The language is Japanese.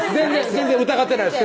全然疑ってないです